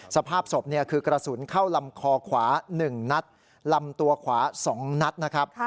สภาพศพคือกระสุนเข้าลำคอขวา๑นัดลำตัวขวา๒นัดนะครับ